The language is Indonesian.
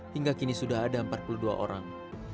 hingga kini sudah ada empat puluh dua orang